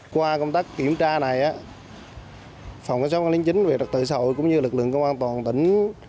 qua công tác kiểm tra này phòng công sống an lýnh chính về đặc tự sầu cũng như lực lượng công an toàn tỉnh